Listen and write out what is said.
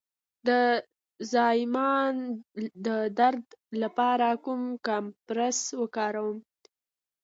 د زایمان د درد لپاره کوم کمپرس وکاروم؟